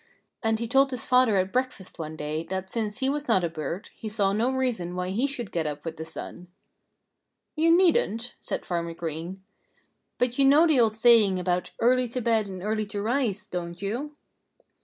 And he told his father at breakfast one day that since he was not a bird, he saw no reason why he should get up with the sun. "You needn't," said Farmer Green. "But you know the old saying about 'early to bed and early to rise,' don't you?"